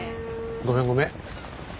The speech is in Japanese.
ごめんごめん。